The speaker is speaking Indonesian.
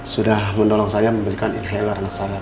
sudah mendolong saya memberikan inhale warna saya